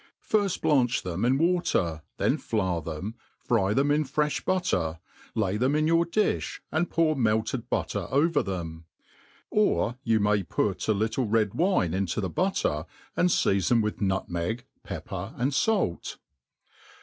FIRST blahch theih in water, then flour theio, fry them iii frefii butter. Jay them in your difh, and pour melted butter over them. Or you may put a little red wine into the butteCt und feafon with nutmeg, pepper, and fait.